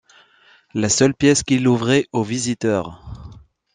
La seule pièce qu’il ouvrait aux visiteurs.